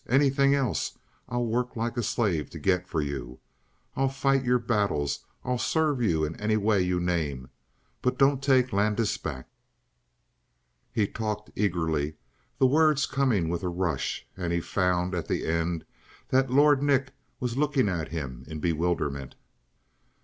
Anything else I'll work like a slave to get for you: I'll fight your battles, I'll serve you in any way you name: but don't take Landis back!" He had talked eagerly, the words coming with a rush, and he found at the end that Lord Nick was looking at him in bewilderment.